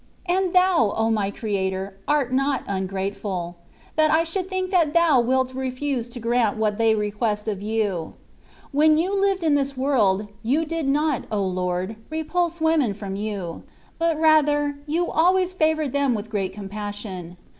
And Thou, O my Creator ! art not ungrateful — that I should think that Thou wilt refuse to grant what they request of You. When You hved in this world. You did not, O Lord ! repulse women from You ; but rather, you always favoured them with great compassion.